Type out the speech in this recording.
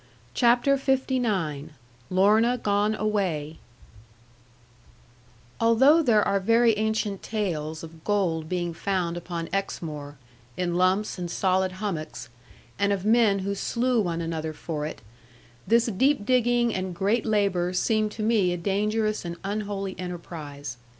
CHAPTER LIX LORNA GONE AWAY Although there are very ancient tales of gold being found upon Exmoor, in lumps and solid hummocks, and of men who slew one another for it, this deep digging and great labour seemed to me a dangerous and unholy enterprise.